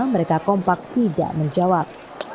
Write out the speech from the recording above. mereka kompak tidak menjawab